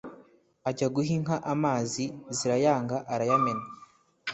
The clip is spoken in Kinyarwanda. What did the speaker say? Ajya guha inka amazi zirayanga arayamena